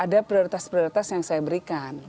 ada prioritas prioritas yang saya berikan